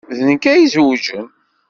D nekk ay izewjen.